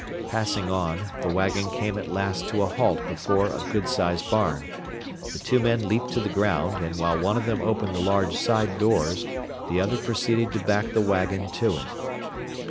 Passing on, the wagon came at last to a halt before a good sized barn. The two men leaped to the ground, and while one of them opened the large side doors the other proceeded to back the wagon to it.